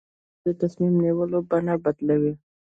مصنوعي ځیرکتیا د تصمیم نیونې بڼه بدلوي.